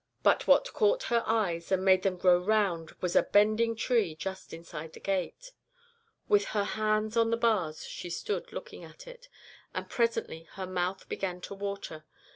"But what caught her eyes and made them grow round was a bending tree just inside the gate. With her hands on the bars she stood looking at it, and presently her mouth began to water.